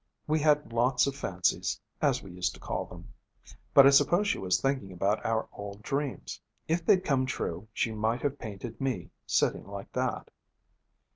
We had lots of fancies, as we used to call them. But I suppose she was thinking about our old dreams. If they'd come true, she might have painted me, sitting like that.'